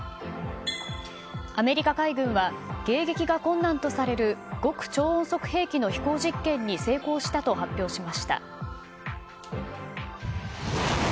アメリカ海軍は迎撃が困難とされる極超音速兵器の飛行実験に成功したと発表しました。